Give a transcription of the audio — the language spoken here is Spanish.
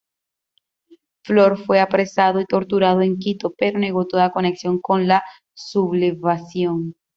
Flor fue apresado y torturado en Quito, pero negó toda conexión con la sublevación.